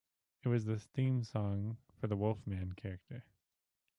It was the theme song for the Wolfman character.